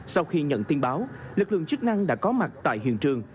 sau khi nhận tin báo lực lượng chức năng đã có mặt tại hiện trường